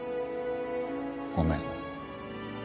ごめん。